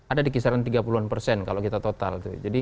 ada di kisaran tiga puluh an persen kalau kita total